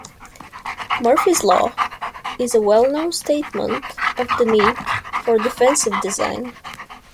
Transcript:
Murphy's law is a well-known statement of the need for defensive design.